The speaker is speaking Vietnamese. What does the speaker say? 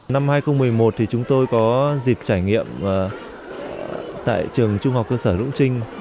năm hai nghìn một mươi một thì chúng tôi có dịp trải nghiệm tại trường trung học cơ sở dũng trinh